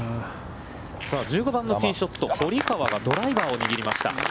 １５番のティーショット、堀川がドライバーを握りました。